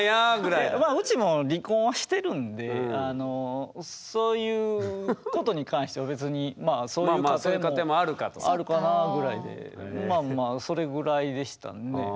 ウチも離婚はしてるんでそういうことに関しては別にそういう家庭もあるかなぐらいでまあまあそれぐらいでしたね。